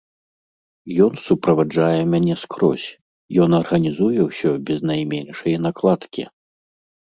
Ён суправаджае мяне скрозь, ён арганізуе ўсё без найменшай накладкі.